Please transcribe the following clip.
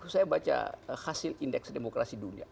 saya baca hasil indeks demokrasi dunia